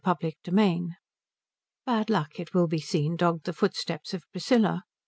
XVIII Bad luck, it will be seen, dogged the footsteps of Priscilla.